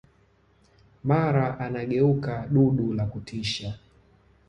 mara anageuka dudu la kutisha